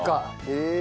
へえ。